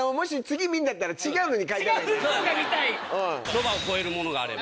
ロバを超えるものがあれば。